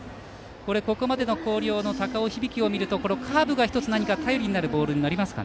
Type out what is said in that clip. ここまでの広陵の高尾響を見るとカーブが１つ、何か頼りになるボールになりますか。